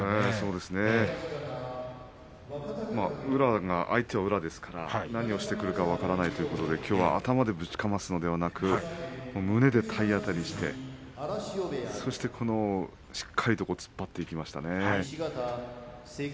宇良が相手ですから何をしてくるか分からないということできょうは頭でぶちかますのではなく胸で体当たりしてそしてしっかり突っ張っていきましたね。